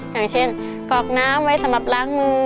อย่างเช่นกรอกน้ำไว้สำหรับล้างมือ